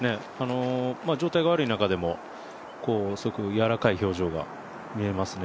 状態が悪い中でもすごく柔らかい表情が見えますね。